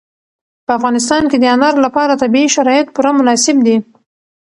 په افغانستان کې د انارو لپاره طبیعي شرایط پوره مناسب دي.